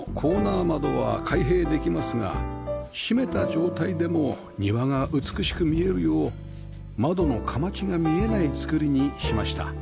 窓は開閉できますが閉めた状態でも庭が美しく見えるよう窓の框が見えない造りにしました